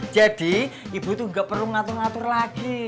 jadi ibu tuh nggak perlu ngatur ngatur lagi